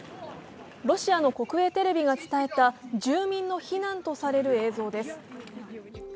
ロシアの国営テレビが伝えた住民の避難とされる映像です。